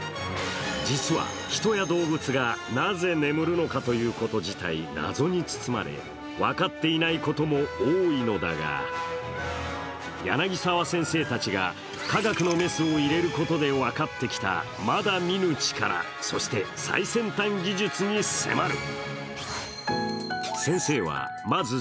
実は、人や動物がなぜ眠るのかということ自体、謎に包まれ分かっていないことも多いのだが、柳沢先生たちが科学のメスを入れることで分かってきたまだ見ぬ力、そして最先端技術に迫る。